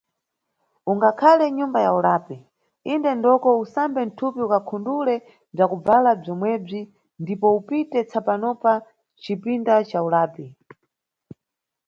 Ungakhale mnyumba ya ulapi, inde ndoko ukasambe mthupi ukakhundule bzakubvala bzomwebzi ndipo upite tsapanopa mcipinda ca ulapi.